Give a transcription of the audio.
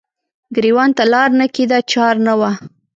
ګریوان ته لار نه کیده چار نه وه